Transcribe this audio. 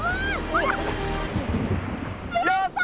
やった！